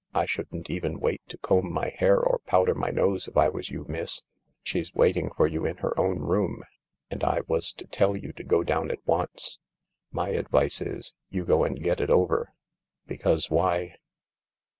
I shouldn't even wait to comb my hair or powder my nose if I was you, miss. She's waiting for you in her own room, and I was to tell you to go down at once. And my advice is, you go and get it over. Because why